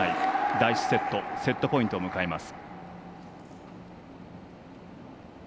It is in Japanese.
第１セットセットポイント迎えます。